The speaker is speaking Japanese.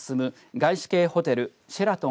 外資系ホテルシェラトン